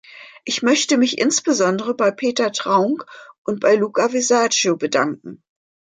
Ich möchte mich insbesondere bei Peter Traung und bei Luca Visaggio bedanken.